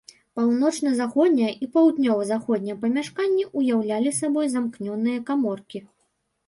Паўночна-заходняе і паўднёва-заходняе памяшканні ўяўлялі сабой замкнёныя каморкі.